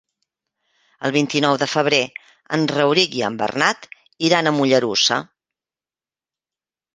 El vint-i-nou de febrer en Rauric i en Bernat iran a Mollerussa.